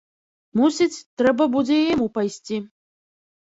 Мусіць, трэба будзе і яму пайсці.